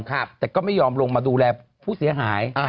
แต่ก็ไม่ยอมลงมาดูแลผู้เสียหาย